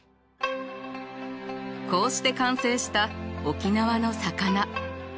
こうして完成した沖縄の魚。